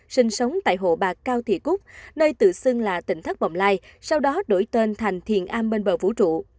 sinh sống tại hộ bạc cao thị cúc nơi tự xưng là tỉnh thất bồng lai sau đó đổi tên thành thiền an bên bờ vũ trụ